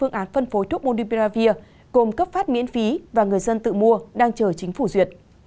người dân phối thuốc monopiravir cùng cấp phát miễn phí và người dân tự mua đang chờ chính phủ duyệt